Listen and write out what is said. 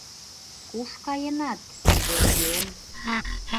Куш каенат, Изергем?